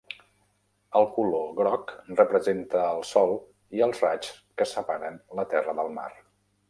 El color groc representa el sol i els raigs que separen la terra del mar.